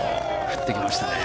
振ってきましたね。